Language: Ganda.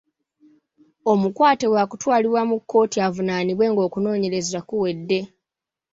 Omukwate waakutwalibwa mu kkooti avunaanibwe ng'okunoonyereza kuwedde.